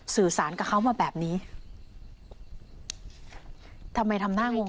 สื่อสารกับเขามาแบบนี้ทำไมทำหน้างง